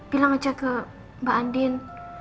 bilang aja ke mbak andin